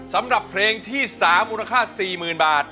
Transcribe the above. สำหรับเพลงที่๓มูลค่า๔๐๐๐บาท